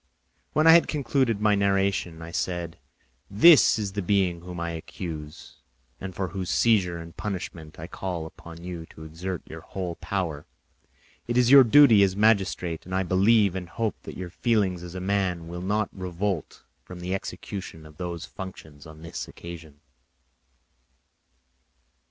When I had concluded my narration, I said, "This is the being whom I accuse and for whose seizure and punishment I call upon you to exert your whole power. It is your duty as a magistrate, and I believe and hope that your feelings as a man will not revolt from the execution of those functions on this occasion."